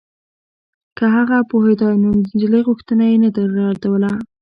که هغه پوهېدای نو د نجلۍ غوښتنه يې نه ردوله.